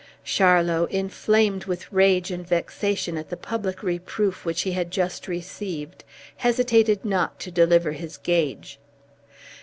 Charlot, inflamed with rage and vexation at the public reproof which he had just received, hesitated not to deliver his gage.